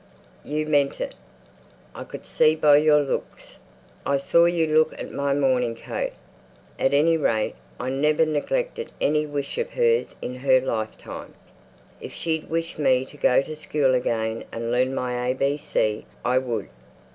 You meant it. I could see by your looks. I saw you look at my morning coat. At any rate, I never neglected any wish of hers in her lifetime. If she'd wished me to go to school again and learn my A, B, C, I would.